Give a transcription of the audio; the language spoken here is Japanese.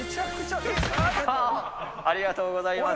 ありがとうございます。